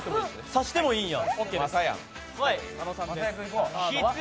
差してもいいんや。